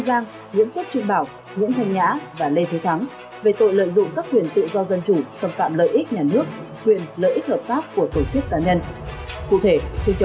xin chào và hẹn gặp lại trong các bản tin tiếp theo